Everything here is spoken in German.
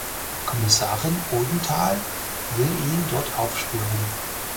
Kommissarin Odenthal will ihn dort aufspüren.